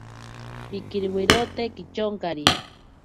Pikiriwirote kityonkari.